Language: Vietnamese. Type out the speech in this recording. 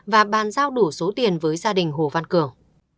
và bàn giao đủ số tiền với gia đình hồ văn cường